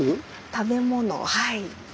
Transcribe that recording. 食べ物はい。